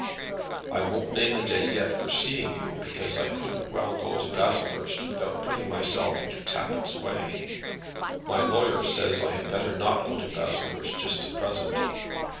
I won't name a day yet for seeing you, because I couldn't well go to Baslehurst without putting myself into Tappitt's way. My lawyer says I had better not go to Baslehurst just at present.